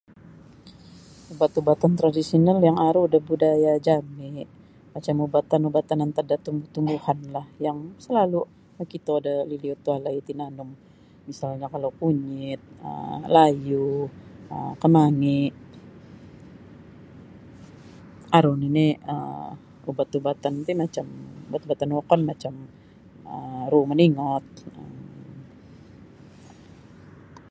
Ubat-ubatan tradisional yang aru da budaya jami macam ubat-ubatan antad da tumbuh-tumbuhanlah yang salalu makito da liud-liud walai tinanum misalnyo kalau kunyit um layu um kamangi aru nini um ubat-ubatan ti macam ubat-ubatan wokon macam um ruu moningot.